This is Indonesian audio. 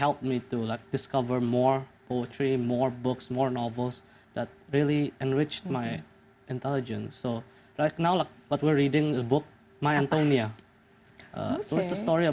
jadi itu benar benar membantu saya untuk menemukan lebih banyak poesi lebih banyak buku lebih banyak novel yang benar benar menenangkan kecerdasan saya